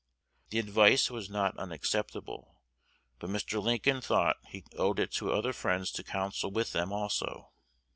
The advice was not unacceptable, but Mr. Lincoln thought he owed it to other friends to counsel with them also.